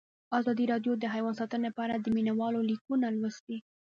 ازادي راډیو د حیوان ساتنه په اړه د مینه والو لیکونه لوستي.